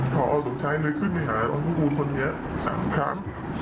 พออสมชายเลยขึ้นไปหาร้องทุกคนเนี้ย๓ครั้ง